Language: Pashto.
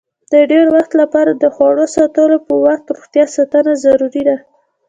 د ډېر وخت لپاره د خوړو ساتلو په وخت روغتیا ساتنه ضروري ده.